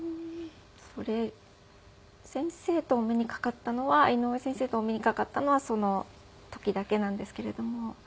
それ先生とお目にかかったのは井上先生とお目にかかったのはその時だけなんですけれども。